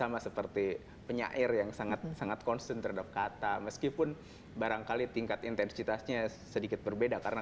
tapi sama seperti penyair yang sangat constant terhadap kata meskipun barangkali tingkat intensitasnya sedikit berbeda